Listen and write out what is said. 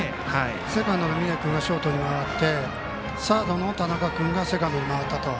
セカンドの峯君がショートサードの田中君がセカンドに回ったと。